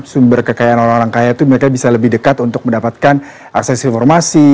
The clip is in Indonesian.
sumber kekayaan orang orang kaya itu mereka bisa lebih dekat untuk mendapatkan akses informasi